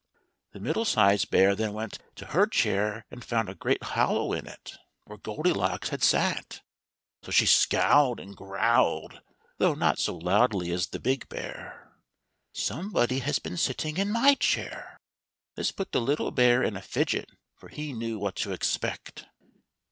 ,; vk The middle sized bear flV ^ v then went to her chair, and found a great hollow in i where Goldilocks had sat down. So she scowled and growled, though not so loudly as the big bear : "somebody has been sitting in my chair!" This put the little bear in a fidget, for he knew what to expect.